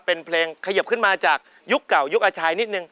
เป็นเพลงขยิบขึ้นมาจากยุคเก่ายุคอาชายนิดนึง